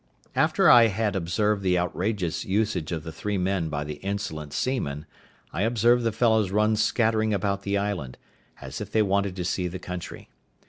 After I had observed the outrageous usage of the three men by the insolent seamen, I observed the fellows run scattering about the island, as if they wanted to see the country.